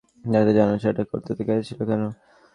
যেটা জানো না সেটা করতে গিয়েছিলে কেন?